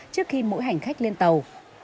trước khi mỗi hành khách lên tàu